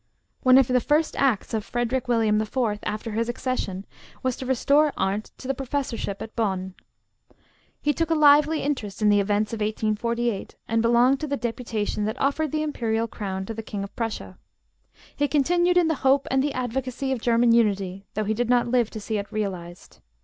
One of the first acts of Frederick William IV., after his accession, was to restore Arndt to his professorship at Bonn. He took a lively interest in the events of 1848, and belonged to the deputation that offered the imperial crown to the King of Prussia. He continued in the hope and the advocacy of German unity, though he did not live to see it realized.